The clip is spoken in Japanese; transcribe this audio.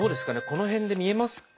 この辺で見えますか？